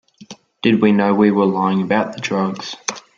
Did we know we were lying about the drugs?